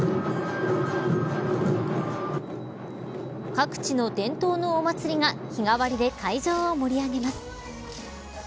各地の伝統のお祭りが日替わりで会場を盛り上げます。